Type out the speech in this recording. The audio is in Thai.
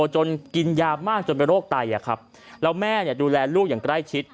จนกินยามากจนเป็นโรคไตแล้วแม่ดูแลลูกอย่างใกล้ชิด